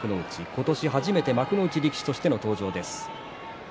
今年、初めて幕内力士として登場です。